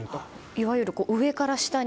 いわゆる、上から下に。